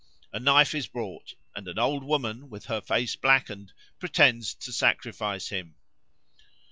A knife is brought, and an old woman, with her face blackened, pretends to sacrifice him.